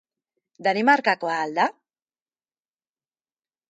Danimarkakoa al da?